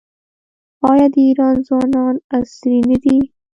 آیا د ایران ځوانان عصري نه دي؟